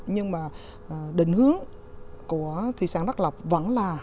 nhưng mà định hướng của thị sản đắc lộc vẫn là